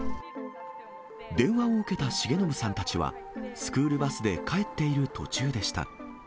電話を受けた重信さんたちは、スクールバスで帰っている途中でした。